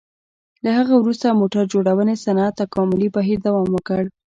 له هغه وروسته موټر جوړونې صنعت تکاملي بهیر دوام وکړ.